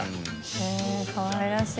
へぇかわいらしい。